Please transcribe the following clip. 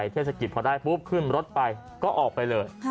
เทศกิจพอได้ปุ๊บขึ้นรถไปก็ออกไปเลย